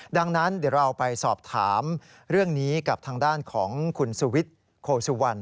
ดังนั้นเดี๋ยวเราไปสอบถามเรื่องนี้กับทางด้านของคุณสุวิทย์โคสุวรรณ